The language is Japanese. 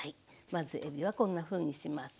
まずえびはこんなふうにします。